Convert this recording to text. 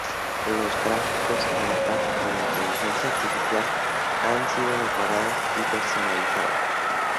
Los gráficos, mapas y la inteligencia artificial han sido mejorados y personalizados.